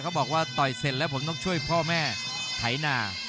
บอกว่าต่อยเสร็จแล้วผมต้องช่วยพ่อแม่ไถนา